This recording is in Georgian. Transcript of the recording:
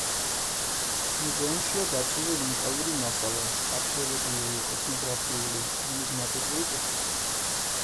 მუზეუმშია დაცული, უნიკალური მასალა: არქეოლოგიური, ეთნოგრაფიული, ნუმიზმატიკური კუთხით.